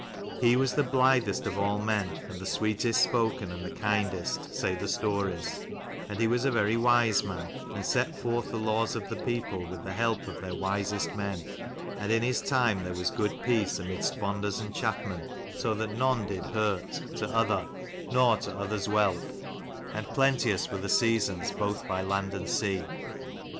"He was the blithest of all men, and the sweetest spoken and the kindest," say the stories: "and he was a very wise man, and set forth the laws of the people with the help of their wisest men ; and in his time there was good peace amidst bonders and chapman, so that none did hurt 186 to other, nor to other's wealth, and plenteous were the seasons both by land and sea."